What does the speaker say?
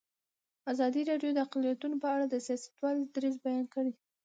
ازادي راډیو د اقلیتونه په اړه د سیاستوالو دریځ بیان کړی.